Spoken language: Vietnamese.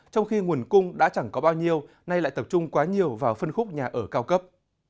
trong khi nguồn cung đã chẳng có bao nhiêu nay lại tập trung quá nhiều vào phân khúc nhà ở cao cấp